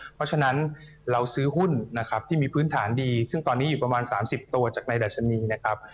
เพราะฉะนั้นเราซื้อหุ้นนะครับที่มีพื้นฐานดีซึ่งตอนนี้อยู่ประมาณ๓๐ตัวจากในดัชนีนะครับ